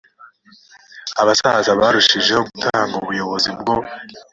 abasaza barushijeho gutanga ubuyobozi bwo